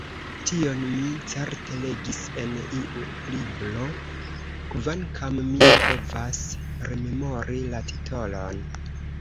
Tion mi certe legis en iu libro kvankam mi ne povas rememori la titolon.